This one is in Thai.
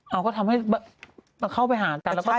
เอาก็ทำให้เข้าไปหา